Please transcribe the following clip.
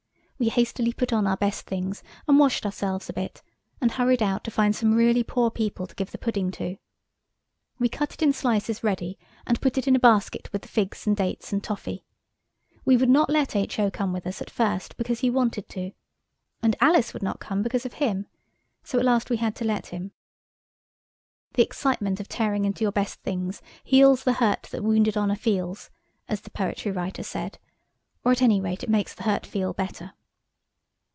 We hastily put on our best things, and washed ourselves a bit, and hurried out to find some really poor people to give the pudding to. We cut it in slices ready, and put it in a basket with the figs and dates and toffee. We would not let H.O. come with us at first because he wanted to. And Alice would not come because of him. So at last we had to let him. The excitement of tearing into your best things heals the hurt that wounded honour feels, as the poetry writer said–or at any rate it makes the hurt feel better.